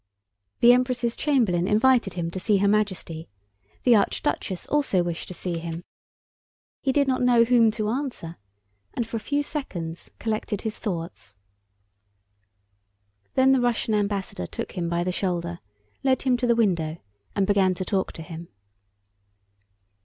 The Empress' chamberlain invited him to see Her Majesty. The archduchess also wished to see him. He did not know whom to answer, and for a few seconds collected his thoughts. Then the Russian ambassador took him by the shoulder, led him to the window, and began to talk to him.